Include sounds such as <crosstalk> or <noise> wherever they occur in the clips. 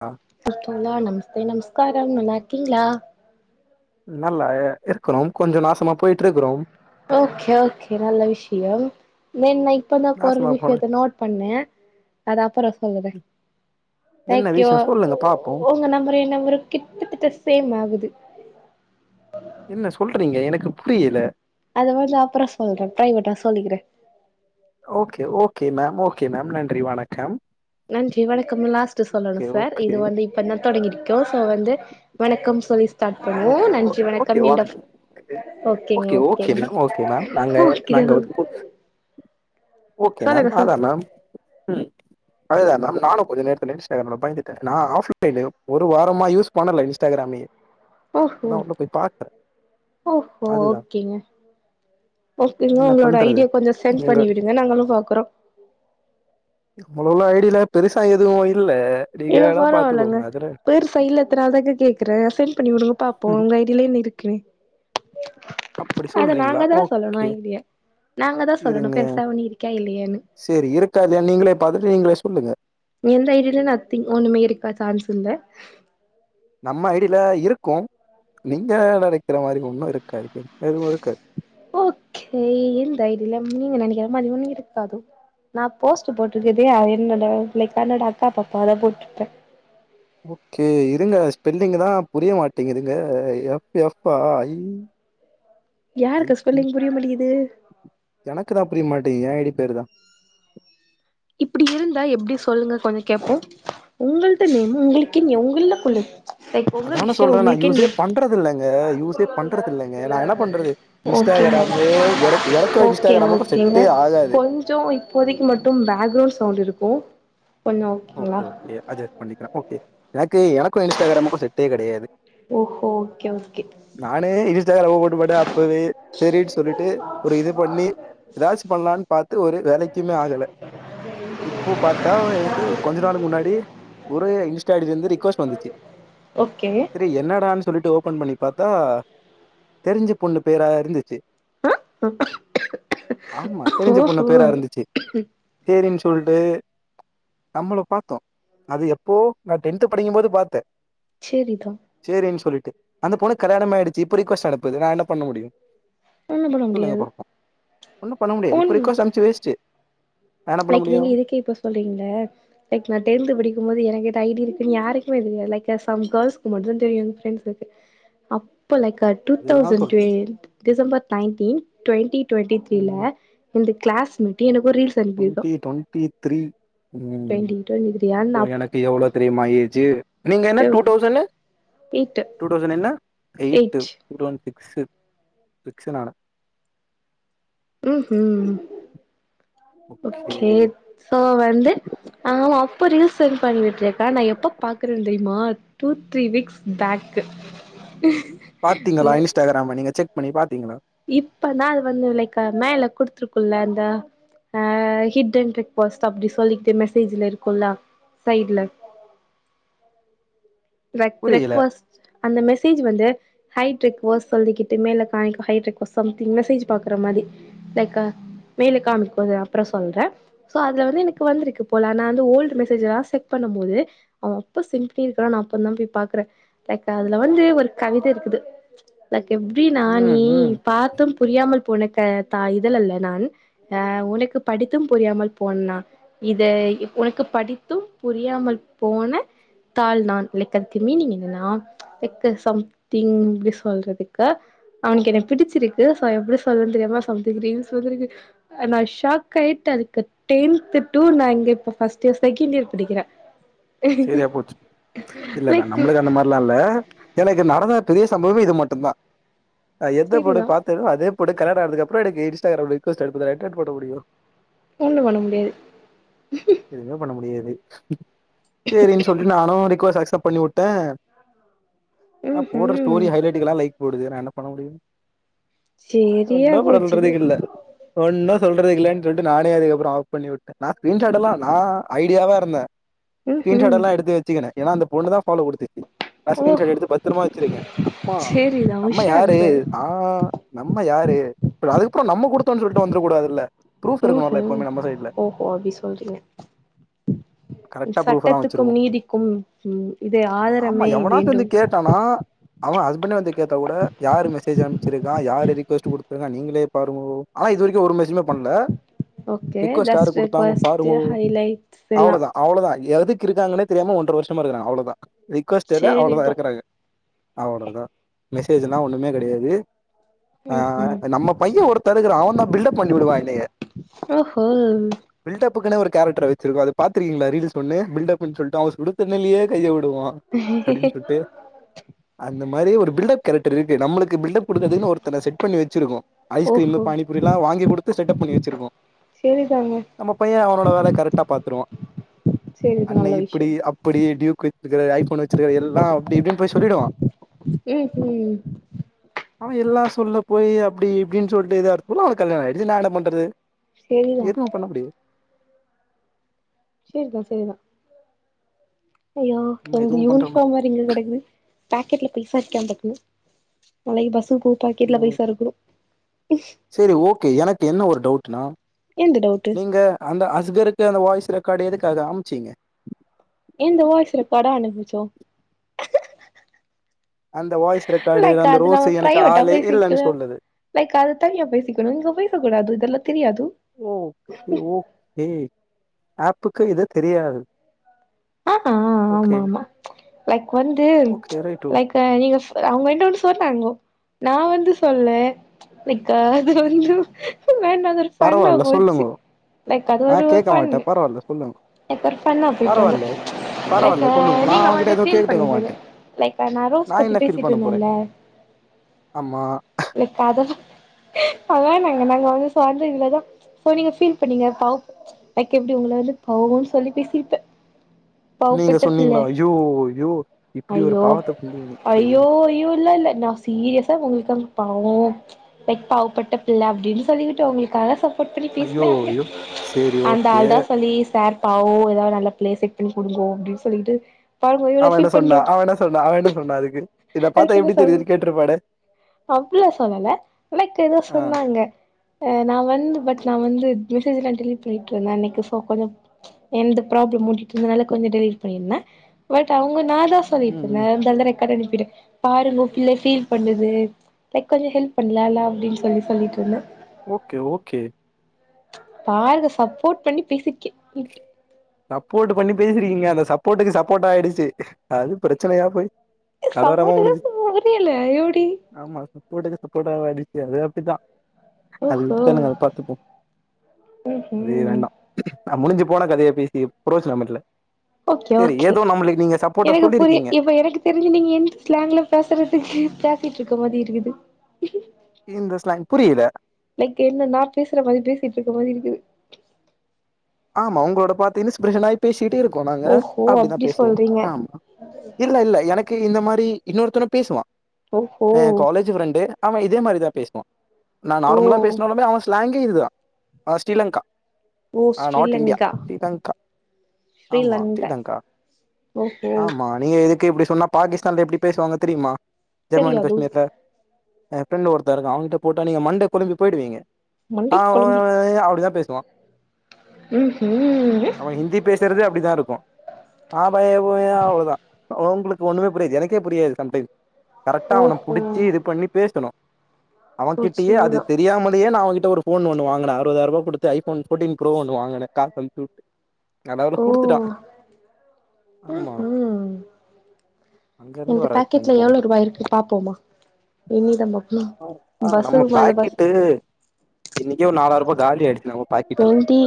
ஆ தோழா நமஸ்தே நமஸ்காரம் நல்லா இருக்கீங்ளா நல்லா இருக்குறோம் கொஞ்ச நாசமா போயிட்டு இருக்குறோம் ஓகே ஓகே நல்ல விஷயம் வேன்னா இப்பதா ஒரு நாசமா போன விஷயத்த நோட் பண்ணே அது அப்பறோ சொல்றே என்ன தேங்யு விஷயோ சொல்லுங்க பாப்போம் உங்க நம்பரு ஏ நம்பரு கிட்டத்தட்ட சேம் ஆகுது என்ன சொல்றீங்க எனக்கு புரியல அத வந்து அப்பறோ சொல்றே ஃப்ர்ரைவெட்டா சொல்லிக்கிறே okay okay ma'am okay ma'am நன்றி வணக்கம் நன்றி வணக்கம் லாஸ்ட்டு சொல்லணு ஓகே சார் இது ஓகே வந்து இப் இப்பதா தொடங்கியிருக்கோ சோ வந்து வணக்கம் சொல்லி ஸ்டார்ட் பண்ணுவோ ஓகே நன்றி ஓகே ஓகே வணக்கம் எண்டாப் ஓகேங்க ஓகே ஓகே ஓகேங் மேம் ஓகே மேம் நாங்க நாங்க ஓகேதாங் வந்து ஓகே நான் பாதாளம் ம் அதுதா நா நானு கொஞ்ச நேரத்துல இன்ஸ்டானோன்னு பயந்துடே நா ஆஃப் லைன்ல ஒரு வாரமா யூஸ் பண்ணல இன்ஸ்டாகிராமே எ ஓஹோ ஓஹோ அதுதா ஓகேங்க ஓகேங்க என்ன உங்களோட பண்றது ஐடியா கொஞ்சோ சென்ட் எங்க பண்ணி விடுங்க நாங்களு பாக்குறோ நம்மளோல ஐடியில பெருசா எதுவு இல்ல நீங்க வேணா பாத்துக்கோங்க அதுல பெருசா இல்லாதனாலதாங்க கேக்கறே சென் பண்ணி விடுங்க பாப்போ உங்க ஐ டி யில என்ன இருக்குன்னு அப்படி அத சொல்றீங்களா நாங்க தா சொல்லணு ஓகே ஐ டி ய நாங்க தா சொல்லணு பெருசா ஒன்னு இரு க்க இல்லையேனு சேரி இருக்கா இல்லையான்னு நீங்களே பாத்துட்டு நீங்களே சொல்லுங்க எந்த ஐ டி யிலு நத்திங் ஒண்ணுமே இருக்கா சான்ஸ் இல்ல நம்ம ஐ டி ல இருக்கு நீங்க நெனைக்கிற மாரி ஒன்னு இருக்காது எதுவு இருக்காது ஓகே எந்த ஐ டி யில நீங்க நெனைக்கிற மாரி ஒன்னு இருக்காது நான் போஸ்ட் போட்டிருக்கதே என்னோட லைக் என்னோட அக்கா பாப்பா தா போட்டிருப்பே ஓகே இருங்க ஸ்பெல்லிங் தா புரிய மாட்டேங்குதுங்க எஃப் எஃப் ஐ ஐ யாருக்கு சி ஸ்பெல்லிங் புரிய மாட்டிங்குது எனக்கு தா புரிய மாட்டேங்குது ஏ ஐ டி பேரு தா இப்டி இருந்தா எப்டி சொல்லுங்க கொஞ்சோ கேட்போ உங்கள்ளிட்ட நேமு உங்களுக்குகேங்க உங்கள்ல குள் லைக் உங்க அதான விஷயோ சொல்றே நா உங்களுக்கு யூஸே என்ன பண்றது இல்லங்க யூஸே பண்றது இல்லங்க நா என்ன பண்றது ஓகேங்க இன்ஸ்டாகிராமு எனக்கு எனக்கு ஓகேங்க இன்ஸ்டாகிராமுக்கு ஓகேங்க செட்டே ஆகாது கொஞ் சோ இப்போதைக்கு மட்டும் பேக்ரவுண்ட் சவுண்ட் இருக்கு கொஞ்சோ ஓகேங்களா ஓகே ஓகே அட்ஜஸ்ட் பண்ணிக்கலா ஓகே எனக்கு எனக்கு இன்ஸ்டாகிராமுக்கு செட்டே கெடையாது ஓஹோ ஓகே ஓகே நானே இன்ஸ்டாகிராம போட்டு போட்டே அப்பவே செரின்னு சொல்லிட்டு ஒரு இது பண்ணி ஏதாச்சு பண்ணலான்னு பாத்து ஒரு வேலைக்குமே ஆகல இப்போ பாத்தா எனக்கு கொஞ்ச நாளுக்கு முன்னாடி ஒரே இன்ஸ்டா ஐ டி ல இருந்து ரிக்வெஸ் வந்துச்சு ஓகே செரி என்னடான்னு சொல்லிட்டு ஓப் பன் பண்ணிப் பாத்தா தெரிஞ்ச பொண்ணு பேரா இருந்துச்சு ஆமா தெரிஞ்ச பொண்ணு ஓஹோ பேரா இருந்துச்சு சேரின்னு சொல்ட்டு நம்மளை பாத்தோ அது எப்போ நா டென்த் படிக்கும் போது பாத்தே செரிதா செரின்னு சொல்லிட்டு அந்த பொண்ணுக்கு கல்யாணமே ஆயிடுச்சு இப்போ ரிக்வஸ்ட் அனுப்புது நான் என்ன பண்ண முடியு ஒன்னு பண்ண சொல்லுங்க முடியாது பாப்போ ஒன்னு பண்ண முடியாது இப்ப ரிக்வெஸ்ட் அனுப்புச்சு வேஸ்ட்டு நா என்ன பண்ண இன்னைக்கி முடியு நீங்க இதுக்கே இப்ப சொல்றீங்களே லைக் நா டென்த்து படிக்கும் போது எனக்குகிட்ட ஐ டி இருக்குன்னு யாருக்குமே தெரியது லைக் சம் கேர்ள்ஸ்க்கு மட்டு தா தெரியு எ ஃப்ரெண்ட்ஸ்க்கு அப்போ லைக் அ டூ அதுதா தௌசண்ட் சொல்றே twentieth December nineteen twenty twenty த்ரீல ம் இந்த கிளாஸ்மேட் எனக்கு ஒரு ரீல்ஸ் அனுப்பிரு டி டொன்ட்டி த்ரீ ம் டுவெண்ட்டி டுவெண்ட்டி த்ரீயா இப்போ நா எனக்கு எவ்வளோ தெரியுமா ஏஜு நீங்க என்ன டூ அப்பவே டௌசனு எய்ட்டு டூ தௌசண்ட் என்ன eight eight two thousand six சிக்ஸ்னான ம்ஹூ ஓகே சோ வந்து அவ அப்ப ரீல் செண்ட் பண்ணிகிட்டு இருக்கா நான் எப்ப பாக்குற தெரிமா டூ த்ரீ வீக்ஸ் பேக் பாத்தீங்களா இன்ஸ்டாகிராம நீங்க செக் பண்ணி பாத்தீங்களா இப்பதா அது வந்து லைக் மேல குடுத்துருக்கும்ல அந்த ஆ ஹிட் அண்ட் ரிக்வொஸ்ட் அப்படி சொல்லிக்கிட்டு மெசேஜ்ல இருக்கும்ல சைட்ல ரெக் புரியல ரெக்வஸ்ட் அந்த மெசேஜ் வந்து ஹைட் ரெக்வொஸ்ட் சொல்லிக்கிட்டு மேல காமிக்கு ஹைட் ரெக்வொஸ்ட் சம்திங் மெசேஜ் பாக்குற மாரி லைக மேலு காமிக்குல அப்ற சொல்ற ஸோ அது வந்து எனக்கு வந்திருக்கு போல நா வந்து ஓல்டு மெசேஜெல்லா செக் பண்ணுபோது அவ அப்ப சிம்பிள் தானா இப்ப தான் போய் பாக்குற லைக் அதுல வந்து ஒரு கவிதை இருக்குது லைக பி நா ம் நீ ம் பாத்தும் புரியாமல் போன க த இதுவல்ல நான் அ உனக்கு படித்தும் புரியாமல் போனனா இத உனக்கு படித்தும் புரியாமல் போன தாள் நான் ஒழுக்கத்து மீனிங் எல்லாம் க்க சம்திங் எப்டி சொல்றதுக்கு அவனுக்கு என்ன பிடிச்சிருக்கு சோ எப்டி சொல்லன் தெரியாம சம்திங் ரீல்ஸ் வந்துருக்கு நா ஷாக்காய்ட்ட அதுக்கு டென்து டு நா இங்க இப்ப ஃபர்ஸ்ட் இய செகண்ட் இயர் படிக்கிற சரியா போச்சு இல்ல இல்ல லைக் நம்மளுக்கு அந்த மாரில்லா இல்ல எனக்கு நடந்த பெரிய சம்பவமே இது மட்டுந்தா நா எந்த பொண்ண சரிதா பாத் தனோ அதே பொண்ணு கல்யாண ஆனதுக்குப்பற எனக்கு இன்ஸ்டாகிராம்ல ரெக்வொஸ்ட் அனுப்புது நா என்னன் பண்ண முடியு ஒன்னு பண்ண முடியாது எதுமே பண்ண முடியாது செரின் சொல்ட்டு நானு ரிக்வஸ்ட் அக்ஸப்ட் பண்ணி விட் ட நா ம் போட்ற ஸ்டோரி ஹும் ஹைலைட்டுகெல்லா லைக் போடுது நா என்ன பண்ண முடியு செரியா ஒன்னு போச்சுது பண்றதுக்கு இல்ல ஒன்னு சொல்றதுக்கு இல்லன் சொல்ட்டு நானே அதுக்கப்பற ஆஃப் பண்ணி விட்ட நான் ஸ்கிரீன்ஷாட் எல்லா நா ஐடியாவா இருந்த ம் ம் ஸ்கிரீன்ஷாட்டலா எடுத்து வச்சுக்கன்ன ஏனா அந்த பொண்ணு தா ஃபாலோ குடுத்துச்சு நா ஓ ஸ்கிரீன்ஷாட் எடுத்து பத்திரமா வச்சிருக்க அம்மா சேரிதா நம்ம உஷார் யாரு சார் ஆ நம்ம யாரு அதுக்கப்பற நம்ம குடுத்தோன் சொல்ட்டு வந்துர கூடாதுல்ல ப்ரூஃப் இருக்கணுல எப்பவுமே நம்ம சைட்ல ஓ அப்டி சொல்றீங்க ட்டா ப்ரூஃப் எல்லா சட்டத்துக்கும் வச்சிருக்கோ நீதிக்கும் ம் இது ஆமா ஆதரமே எவனாச்சு வந்து வேண்டும் கேட்டானா அவன் ஹஸ்பண்டே வந்து கேட்டா கூட யாரு மெசேஜ் அனுப்ச்சிருக்கா யாரு ரிக்வெஸ்ட் குடுத்ருக்கா நீங்களே பாருங்கோ ஆனா இது வரைக்கு ஒரு மெசேமே பண்ல ஓகே ரிக்வஸ்ட் யாரு ஜஸ்ட் குடுத்தாங்க ரெக்வஸ்ட் பாருங்கோ ஹைலைட்ஸ் எல்லா அவ்ளோதா அவ்ளோதா எதுக்கு இருக்காங்கன்னே தெரியாம ஒன்ற வருஷமா இருக்காங்க அவ்ளோதா ரி்க்வஸ்ட் இல்ல அவ்ளோதா சேரிதா இருக்குறாங்க அவ்ளவ்தா மெசேஜ்ல்லா ஒன்னுமே கெடையாது ஆ ம் ம் நம்ம பையன் ஒருத் த இருக்றா அவன் தா பில்டப் பண்ணிவிடுவா எனைய ஓ ஹோ பில்ட் அப்புக்குனு ஒரு கேரக்டர வச்சிருக்கோ அத பாத்துருக்கீங்களா ரீல்ஸ் சொல்லு பில்டப்ன் சொல்ட்டு அவன் சுடு தண்ணிலயே கைய விடுவா அப்டின் சொல்ட்டு அந்த மாரி ஒரு பில்ட்அப் கேரக்டர் இருக்கு நம்மளுக்கு இங்க பில்டப் குடுக்கறதுக்குன்னு ஒருத்தன செட் பண்ணி வெச்சிருக்கோ ஐஸ்கிரீமு, ஓஹோ பாணிபூரியெல்லா வாங்கி குடுத்து செட்டப் பண்ணி வெச்சிருக்கோ சேரிதாங்க நம்ம பையன் அவனோட வேலய கரெக்டா பாத்துருவான் சேரிதா அண்ண நல்ல இப்டி விஷயோ அப்டி டியூக் வெச்சிருக்கறது ஐ ஃபோன் வெச்சிருக்கறது எல்லா அப்டி இப்டின்னு போய் சொல்லிடுவான் ம் ஹூம் அவன் எல்லா சொல்ல போய் அப்டி இப்டின் சொல்ட்டேதாருக்குள்ள அவளுக்கு கல்யாணோ ஆயிடுச்சு நா என்ன பண்றது சேரிதா எதுவும் பண்ண முடியா சேரிதான் சேரிதான் அய்யோ நம்ம எந்து எதுவு பண்ற மாரி யூனிஃபார்ம் இது இங்க கெடக்குது பாக்கெட்ல பைசா இருக்கியான் பாக்கணு நாளைக்கு பஸ்சுக்கு போ பாக்கெட்ல பைசா இருக்கனு செரி ஓகே எனக்கு என்ன ஒரு டவுட்னா எந்த டவுட்டு நீங்க அந்த அஸ்கருக்கு அந்த வாய்ஸ் ரெக்கார்டு எதுக்காக அனுப்ச்சீங்க எந்த வாய்ஸ் ரெக்கார்டு அனுப்பிச்சோ அந்த வாய்ஸ் ரெக்கார்டு லைக் அந்த அது நம்ம ரோஸு எனக்கு பிரைவேட்டா ஆளே இல்லன்னு பேசிக்கலா சொல்லுது லைக் அது தனியா பேசிக்கணு இங்க பேச கூடாது இதெல்லா தெரியாது ஓ ஓகே ஆப்புக்கு இது தெரியாது அ ஆ ஓகே ஆமாமா லைக் வந்து ஓகே ரைட்டு லைக் எ நீங்க அவுங் என்கிட்ட ஒன்னு சொன்னாங்கோ நா வந்து சொல்ல லைக் அது வந்து வேண்டா அது ஒரு ஃபண்ணா பரவால்ல போச்சு சொல்லுங்கோ லைக் அது நா ஒரு ஒரு கேக்க ஃபண் மாட்டே பரவால்ல சொல்லுங் நேத்து ஒரு ஃபண்ணா போயிட்டு வந்து லைக்க பரவால்ல சொல்லுங்கோ நா நீங்க வந்து அவங்கிட்ட எதுவு ஃபீல் கேட்டுக்க பண்ணுவீங்க மாட்டே அத லைக்க நா ரோஸ் பத்தி என்ன ஃபீல் பேசிட்டு பண்ண போறே இருந்தன்ல்ல ஆமா லைக் கத அதான் நாங்க நாங்க வந்து சாந்த இதுலதா சோ நீங்க ஃபீல் பண்ணீங்க லைக்க எப்டி உங்கள வந்து பாவோம்ன்னு சொல்லி பேசிட்டோ நீங்க பாவப்பட்ட பிள்ள சொன்னீங்களா ஐயோ ஐயோ இப்டி ஒரு அய்யோ பாவத்த புண்ணியனே செரி அய்யோ ஓகே அய்யோ இல்லல்ல நா சீரியஸா உங்களுக்கா பாவோ லைக் பாவப்பட்ட பிள்ள அப்டின்னு சொல்லிக்கிட்டோ உங்களுக்காக நோட் பண்ணி ஐயோ பேசினாங்க ஐயோ செரி அந்த ஓகே அள்தா சொல்லி சார் பாவோ எதாவது நல்ல பிளேஸ் செட் பண்ணி குடுங்கோ அப்டின்னு சொல்லிட்டு பாருங்க எவ்ளோ அவன் என்ன ஃபீல் சொான்னா பண்றோ அவன் என்ன சொன்னா அவன் என்ன சொன்னா அதுக்கு இத பத்தா எப்டி தெரிது கேட்டிருப்பானே அப்பெல்லா சொல்லல லைக் எதோ ஆ சொன்னாங்க ஆ நா வந்து பட் நா வந்து மெசேஜ்ல்லா டிலீட் பண்ணிட்டு இருந்த அன்னைக்கு சோ கொஞ்சோ எந்த ப்ராப்ளம் மூடிட்டு இருந்தனால கொஞ்சோ டிலீட் பண்ணிருந்த பட் அவுங்க நாதா சொல்லிட்டு ம் ம் இருந்த <unintelligible> க்கடனுப்பிடு பாருங்கோ பிள்ள ஃபீல் பண்ணுது லைக் கொஞ்சோ ஹெல்ப் பண்லா அப்டின்னு சொல்லி சொல்லிட்டுருந்த ஓகே ஓகே பாருங்க சப்போர்ட் பண்ணி பேசிருக்கேன் சப்போர்ட் பண்ணி பேசிருக்கீங்க அந்த சப்போர்ட்டுக்கு சப்போர்ட்டா ஆயிடுச்சு அது பிரச்சனயா போய் ஏ கலவரமா முடிஞ்சுச்சு சப்போர்ட்டுக்கு புரில யூடி ஆமா சப்போட்டுக்கு சப்போட்டா ஆயிடுச்சு அது அப்டிதா அது ஓஹோ விட்டுதள்ளுங்க அத பாத்துப்போ ம் அதே ம் வேண்டா முடிஞ்சு போன கதய பேசி புரோச்சோனமில்ல ஓகே ஓகே சப்போர்ட்டா எனக்கு புரி சொல்லிருக்கீங்க இப்ப எனக்கு தெரிஞ்சு நீங்க என் ஸ்லாங்ல பேசுறதுக்கு பேசிட்டு இருக்க மாதிரி இருக்குது இந்த ஸ்லாங் புரியில லைக் என்ன நா பேசுற மாதிரி பேசிட்டு இருக்க மாதிரி இருக்குது ஆமா உங்களோட பார்த்து இன்ஸ்பிரேஷன் ஆயி பேசிகிட்டே இருக்கோம் நாங்க ஓஹோ அப்டிதா அப்டி பேசுவோம் சொல்றீங்க ஆமா இல்ல இல்ல எனக்கு இந்த மாரி இன்னொருத்தனு பேசுவா ஓஹோ என் காலேஜ் ஃப்ரெண்டு ஆமா இதே மாரி தா பேசுவா நா ஓ நார்மலா பேசினாலுமே அவன் ஸ்லாங்கே இதுதா அவ ஸ்ரீலங்கா ஓ ஆஹ் நார்த் இந்தியா ஸ்ரீலங்கா ஸ்ரீலங்கா ஆமா ஸ்ரீலங்கா ஓஹோ ஆமா நீங்க இதுக்கே இப்டி சொன்னா பாகிஸ்தான்ல எப்டி பேசுவாங்க தெரியுமா ஜம்மு அண்ட் தெரியாது காஷ்மீர்ல என் ஃப்ரெண்டு் ஒருத்த இருக்கா அவங்க்கிட்ட போட்டா நீங்க மண்டே கொழம்பி போயிவிடுவீங்க மண்டை அவு கொழம்பி ய ய் அப்டிதா பேசுவா ம் ம் அவன் ஹிந்தி பேசறதே அப்டிதா இருக்கு ஆ பா ஏ போ எ அவ்ளோதா உங்களுக்கு ஒண்ணுமே புரியாது எனக்கே புரியாது சம்டைம்ஸ் கரெக்டா அவன ஓஹோ புடிச்சி இது பண்ணி பேசணு ஓ அவகிட்டயே அது சரிதா தெரியாமலயே நா அவகிட்ட ஒரு ஃபோன் ஒன்னு வாங்குனே அறுபதாயிர ரூபா குடுத்து ஐபோன் போர்டீன் ப்ரோ ஒன்று வாங்கனே கார்பஃன் டூக் நல்லவேல குடுத்துட்டா ம் ஆமா ஹும் அங்க இருந்து இந்த வர வச்சே பேக்கெட்ல ஃபோன் எவ்ளோ ரூபாய் இருக்கு பாப்போமா என்னிடம் மாட்னா பஸ்லதா <unintelligible> பஸ் இன்னிக்கே ஒரு நாலாயிரூபா காலி ஆகிடுச்சு நம்ம பாக்கெட் இருக்கு டுவெண்ட்டி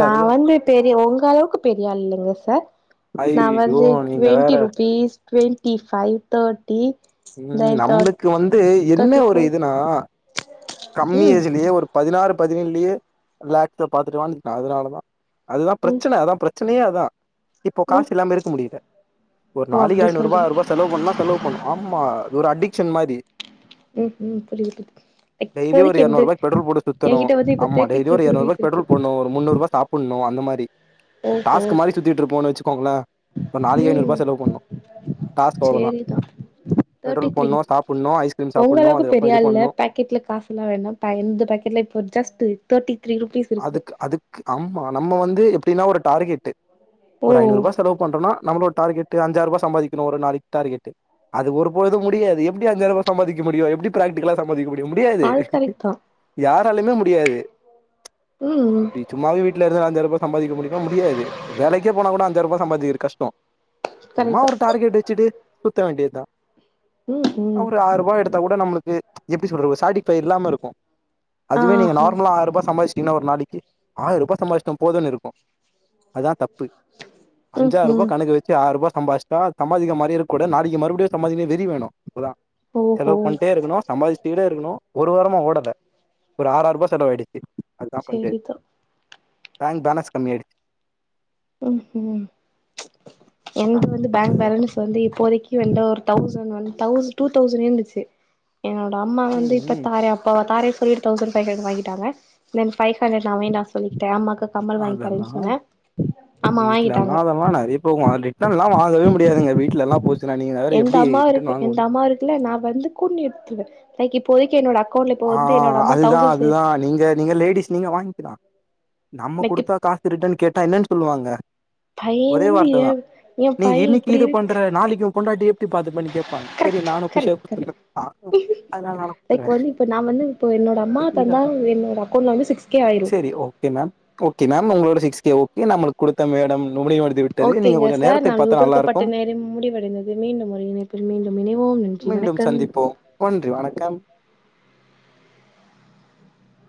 நா வந்து பெரிய உங்க அளவுக்கு பெரிய ஆள் இல்லங்க சார் ந ஐயோ வந்து நீங்க வேற twenty rupees twenty five thirty ம் தென் தேர் நம்ளுக்கு வந்து தேர்ட்டி என்ன ஒரு ஃபோர் இதுனா கம்மி ம் ஏஜ்லயே ஒரு பதினாறு பதினேழுலயே ஃப்ளாக்க பாத்துட்டுவன்ட அதுனாலதா அதுதா ம் பிரச்சனை அதா பிரச்சனையே அதா இப்போ ம் காசு இல்லாமே இருக்க முடியல ஒரு ஓ நளைக்கு அப்டி ஐநூறு ரூபா சொல்றீங்க ஆயிருபா செலவு பண்ணா செலவு பண்ணு ஆம்மா அது ஒரு அடிக்சன் மாரி ம்ஹும் புரியுது டெய்லி ஒரு இப்போதைக்கு எர்நூறு என்து ரூபாய்க்கு பெட்ரோல் போட்டு சுத்தணு என்கிட்ட வந்து இப்ப ஆம்மா தேர்ட்டி டெய்லி த்ரூ ஒரு எர்நூறு ருபீஸ் ரூபாய்க்கு இருக்கு பெட்ரோல் போட்ணு ஒரு முன்னூறுபா சாப் புட்ணு அந்த மாரி ஓஹோ டாஸ்க்கு மாரி சுத்திட்டு இருப்பபோனு வச்சுக்கோங்களே ஒரு நாளைக்கு ஐநூறு ம் ருபா செலவு பண்ணு டாஸ்க் அவ்ளோதா சேரிதா தேர்ட்டி பெட்ரோல் த்ரீ போட்ணு சாப்புட்ணு ஐஸ்கிரீம் சாப்புட்ணு அதுக்கப்றோ இது பண்ணு கெட்ல காசு இல்லா வேனா இப்ப எந்த பேக்கெட்ல ஜஸ்ட் தேர்ட்டி த்ரீ ருபீஸ் இருக்குது அதுக்கு அதுக்கு ஆம்மா நம்ம வந்து எப்டின்னா ஒரு டார்கெட்டு ஓ ஒரு ஐநூறுபா செலவு பண்றம்னா நம்ளோட டார்கெட்டு க்கு அஞ்சாயிரூபா சம்பாதிக்கனு ஒரு நாளைக்கு டார்கெட்டு அது ஒரு பொழுதும் முடியாது எப்டி அஞ்சாயி ரூபா சம்பாதிக்க முடியும் எப்டி பிராக்டிகலா சம்பாதிக்க முடியு முடியாது அது கரெக்ட் தா யாராலுமே முடியாது ம்ம் இப்டி சும்மாவே வீட்டுல இருந்தா அஞ்சாயிரூபா சம்பாதிக்க முடியுமா முடியாது வேலைக்கே போன கூட அஞ்சாயிரூபா சம்பாதிக்கிறது கஷ்டோ சும்மா ஒரு டார்கெட் வச்சுட்டு சுத்த வேண்டியத்தா அவொரு ஆயி ரூபா எடுத் குடுத்தா கூட நம்மளுக்கு எப்டி சொல்றது ஒரு சாட்டிப்பை இல்லாம இருக்கு அதுவே நீங்க நார்மலா ஆயிரம் ரூபா சம்பாதிச்சி டீங்கனா ஒரு நாளைக்கு ஆயிரம் ரூபாய் சம்பாதிச்சுட்டோ போதும்ன்னு இருக்கு அதா தப்பு ப்பே அஞ்சாயிர ரூபா கணக்கு வெச் சி ஆயிரூபா சம்பாதிச்ட்டா சம்பாதிக்கிற மாறியேருக் கூடாத் நாளைக்கு மறுபடியு சம்பாதிக்க வெறி வேணு அப்பதா செலவு பண்ட்டே இருக்குணு சம்பாதிச்சிடிடே இருக்குணு ஒரு வாரமா ஓடல ஒரு ஆறாருபா செலவாயிடுச்சு. அத்தா பண்டு, சரிதா பேங் பேலன்ஸ் கம்மி ஆயிடுச்சு. ம் ஹு எங்கிட்ட வந்து பேங் அதுதா பேலன்ஸ் வந்து இப்போதைக்கி என்ட ஒரு தெளசண் வந் தௌஸ் டூ தௌசண் இருந்துச்சு. என்னோட அம்மா வந்து ம் இப்ப ம் தாரே அப்ப வா தாரேஸ் கொரியர் தெளசண் ஃபை <unintelligible> வாங்கிட்டாங்க. நென்த் ஃபை ஹன்ரடு நா வேண்டா சொல்லிகிட்டே. அம்மாக்கு கம்மல் வாங்கி தரேன் சொன்னே. அம்மா வீட்லெல்லா வாங்கிட்டாங்க அதெல்லா நெறைய போகு. அது ரிட்டன்லா வாங்கவே முடியாதுங்க. வீட்லெல்லா போச் சுன்னா நீங்க வேற எப்டி ரிட்டன் வாங்க முடியு. க்ல நா வந்து கொன்னு எட்த்துருவே லைக் இப்போதைக்கி என்னோட அக்கவுண்ட்ல இப்போ ஆ வந்து என்னோட அம்மா அதுதா தௌசண் சே அதுதா நீங்க நீங்க லேடிஸ் நீங்க வாய்ங்கிலா. நம்ம லைக் குடுத்தா காசு ரிட்டன் கேட்டா என்னன் சொல்லுவாங்க? பைய ஒரே வந்து ஏ வார்த்ததா ஏ நீ பைய இன்னிக்கி இப்டி இது பண்ற இருக்கு நாளைக்கி உ பொண்டாட்டிய எப்டி பாத்துப்பனு கேப்பாங்க செரி கரெக்ட் நானு கரெக்ட் கரெக்ட் <inaudible> அதனால் நானு <inaudible> லைக் த்துருவே. வந்து இப்ப நா வந்து இப்போ என்னோட அம்மா தந்தா என்னோட அக்கௌண்ல வந்து சிக்ஸ் கே ஆய்ரு. டி ஓகே மேம். ஓகே மேம் உங்ளோட சிக்ஸ் கே ஓகே நம்மளுக் குடுத்த மேடம். <unintelligible> ஓகேங்க கொஞ்சம் சார் நேரத்தை நம்ளுக் பார்த்தா குடுக்கப்பட்ட நல்லாயிருக்கும். நேரம் முடிவடைந்தது மீண்டும் ஒரு இணைப்பில் மீண்டும் இணைவோம். நன்றி மீண்டும் வணக்கம் சந்திப்போம் ஒன்றி வணக்கம்.